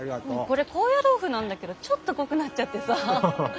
これ高野豆腐なんだけどちょっと濃くなっちゃってさ。